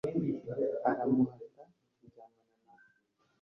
aramuhata aryamana na we.